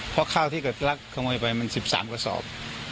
เพราะข้าวที่เกิดรักขโมยไปมัน๑๓กระสอบ